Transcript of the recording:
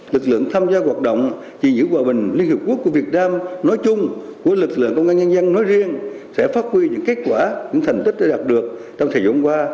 lực lượng tham gia hoạt động gìn giữ hòa bình liên hợp quốc của việt nam nói chung của lực lượng công an nhân dân nói riêng sẽ phát huy những kết quả những thành tích đã đạt được trong thời gian qua